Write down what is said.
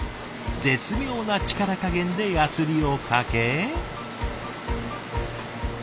絶妙な力加減でやすりをかけ。